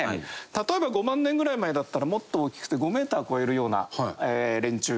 例えば５万年ぐらい前だったらもっと大きくて５メーターを超えるような連中がいて。